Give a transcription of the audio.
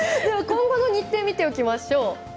今後の日程を見ておきましょう。